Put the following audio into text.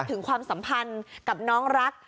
ความสัมพันธ์กับน้องรัก